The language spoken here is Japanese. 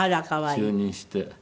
就任して。